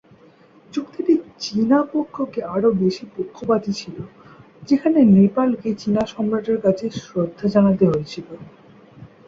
চুক্তিটি চীনা পক্ষকে আরও বেশি পক্ষপাতী ছিল যেখানে নেপালকে চীনা সম্রাটের কাছে শ্রদ্ধা জানাতে হয়েছিল।